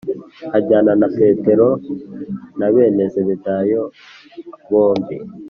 Ajyana Petero na bene Zebedayo bombi